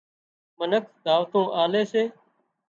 منک دعوتون آلي سي